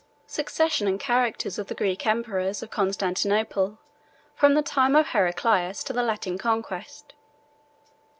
—Succession And Characters Of The Greek Emperors Of Constantinople, From The Time Of Heraclius To The Latin Conquest.